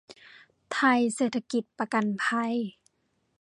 ไทยเศรษฐกิจประกันภัย